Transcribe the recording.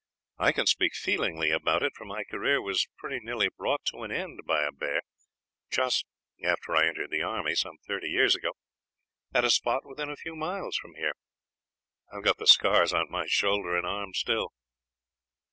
I can speak feelingly about it, for my career was pretty nearly brought to an end by a bear, just after I entered the army, some thirty years ago, at a spot within a few miles from here. I have got the scars on my shoulder and arm still."